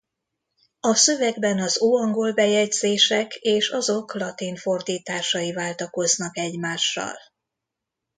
A szövegben az óangol bejegyzések és azok latin fordításai váltakoznak egymással.